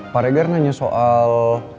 pak regar nanya soal